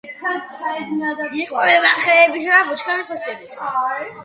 იკვებება ხეებისა და ბუჩქების ფოთლებით.